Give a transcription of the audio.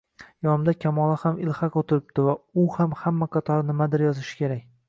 Yonimda Kamola ham ilhaq o`tiribdi u ham hamma qatori nimadir yozishi kerak